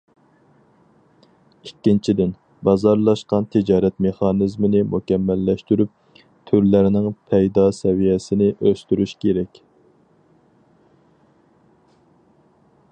ئىككىنچىدىن، بازارلاشقان تىجارەت مېخانىزمىنى مۇكەممەللەشتۈرۈپ، تۈرلەرنىڭ پايدا سەۋىيەسىنى ئۆستۈرۈش كېرەك.